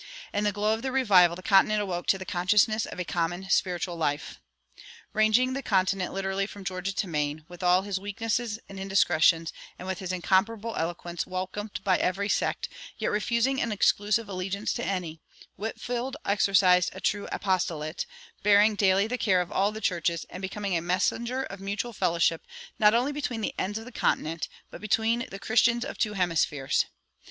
In the glow of the revival the continent awoke to the consciousness of a common spiritual life. Ranging the continent literally from Georgia to Maine, with all his weaknesses and indiscretions, and with his incomparable eloquence, welcomed by every sect, yet refusing an exclusive allegiance to any, Whitefield exercised a true apostolate, bearing daily the care of all the churches, and becoming a messenger of mutual fellowship not only between the ends of the continent, but between the Christians of two hemispheres.